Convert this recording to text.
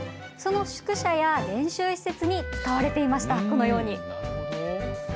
その宿舎や練習施設に使われていました、このように。